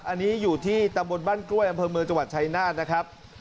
อันนี้อยู่ที่ตำบลบ้านกล้วยอำเภอเมืองจังหวัดชายนาฏนะครับ